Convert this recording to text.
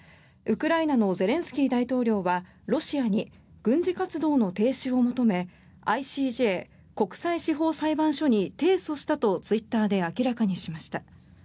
ウクライナのゼレンスキー大統領はロシアに軍事活動の停止を求めＩＣＪ・国際司法裁判所に提訴したとツイッターで明らかにしました。